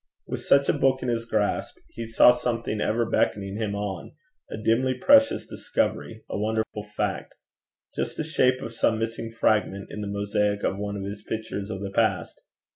With such a book in his grasp he saw something ever beckoning him on, a dimly precious discovery, a wonderful fact just the shape of some missing fragment in the mosaic of one of his pictures of the past.